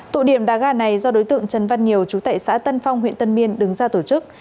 tụ điểm đá gà này do đối tượng trần văn nhiều chú tệ xã tân phong huyện tân biên đứng ra tổ chức